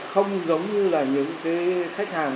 không giống như là những khách hàng